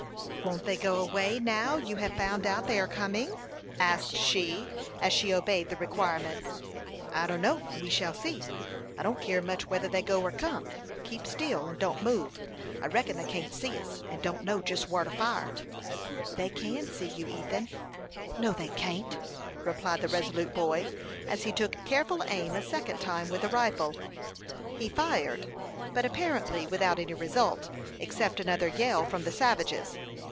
"Won't they go away now you have found out they are coming?" asked she, as she obeyed the requirement. "I dunno; we shall see. I don't keer much whether they go or kim. Keep still, and don't move. I reckon they can't see us, and don't know jest whar to fire." "They can see you, Ethan." "No, they can't," replied the resolute boy, as he took careful aim a second time with the rifle. He fired, but apparently without any result, except another yell from the savages.